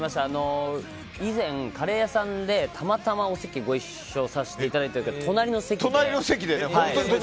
以前、カレー屋さんでたまたまお席ご一緒させていただいて隣の席で。